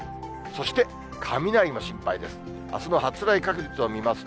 そして、雷も心配です。